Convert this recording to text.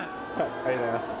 ありがとうございます。